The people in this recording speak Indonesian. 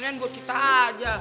nah ini buat kita aja